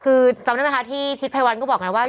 คือจำได้ไหมคะที่ทิศภัยวันก็บอกไงว่า